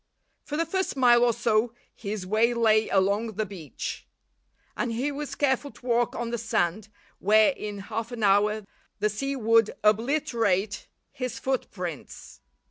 For the first mile or so his way lay along the beach, and he was careful to walk on the sand, where, in half an hour, the sea would obliterate his footprints.